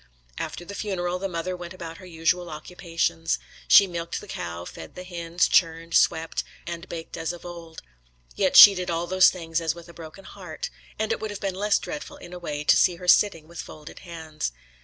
After the funeral the mother went about her usual occupations. She milked the cow, fed the hens, churned, swept, and baked as of old. Yet she did all those things as with a broken heart, and it would have been less dreadful in a way to see her sitting with folded hands.